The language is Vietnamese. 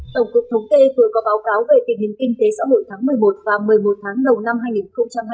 tổng cục thống kê vừa có báo cáo về kỷ niệm kinh tế xã hội tháng một mươi một và một mươi một tháng lầu năm hai nghìn hai mươi hai